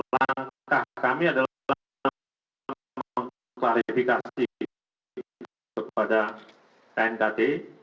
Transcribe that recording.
langkah kami adalah mengklarifikasi kepada knkt